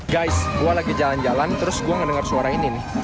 guys gue lagi jalan jalan terus gue ngedengar suara ini nih